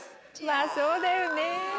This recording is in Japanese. まぁそうだよね。